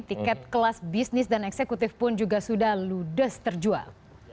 tiket kelas bisnis dan eksekutif pun juga sudah ludes terjual